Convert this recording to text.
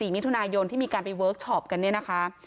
มิถุนายนที่มีการไปเวิร์คชอปกันเนี่ยนะคะ